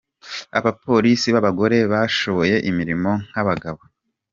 Abapolisi b’abagore bashoboye imirimo nk’ab’abagabo